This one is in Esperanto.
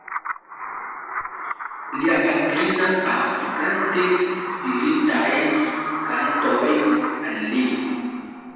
Lia patrina avo kantis spiritajn kantojn al li.